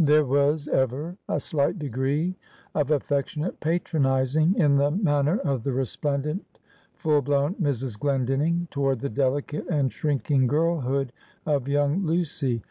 There was ever a slight degree of affectionate patronizing in the manner of the resplendent, full blown Mrs. Glendinning, toward the delicate and shrinking girlhood of young Lucy.